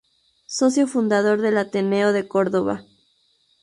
Socio fundador del Ateneo de Córdoba.